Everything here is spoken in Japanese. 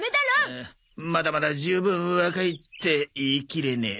まだまだ十分若い！って言いきれねえ。